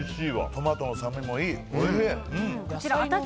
トマトの酸味もいい。